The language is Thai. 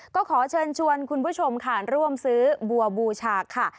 ก็ขอเชิญชวนคุณผู้ชมค่ะร่วมซื้อบัวบูชาค่ะ